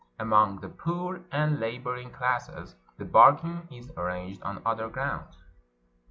Among the poor and laboring classes the bargain is arranged on other grounds.